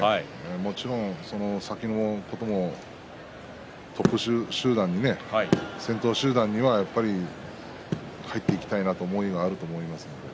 もちろん、その先のこともトップ集団、先頭集団に入っていきたいなという思いもあると思います。